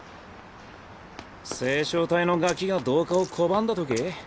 星漿体のガキが同化を拒んだとき？